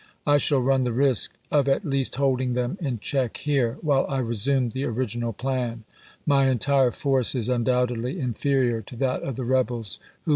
" I shall run the risk of at least holding them in check here, while I resume the original plan. My entire force Vol! XL, is undoubtedly inferior to that of the rebels, who p. 448." y^r\\\ gglit well."